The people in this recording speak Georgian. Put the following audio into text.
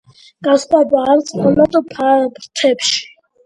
ამის შემდეგ ის მონაწილეობას იღებდა ამერიკა-მექსიკის ომში და გახდა ბრიგადის გენერალი.